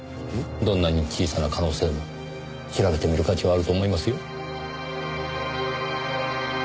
どんなに小さな可能性も調べてみる価値はあると思いますよ。